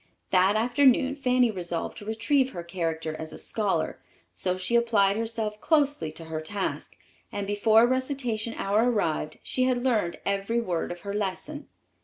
That afternoon Fanny resolved to retrieve her character as a scholar; so she applied herself closely to her task, and before recitation hour arrived she had learned every word of her lesson.